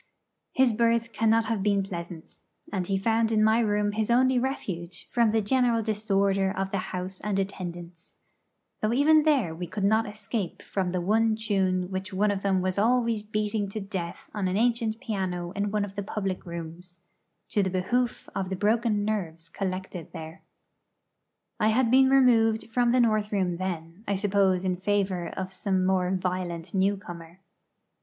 His berth cannot have been pleasant; and he found in my room his only refuge from the general disorder of the house and attendants, though even there we could not escape from the one tune which one of them was always beating to death on an ancient piano in one of the public rooms, to the behoof of the broken nerves collected there. I had been removed from the north room then; I suppose in favour of some more violent newcomer.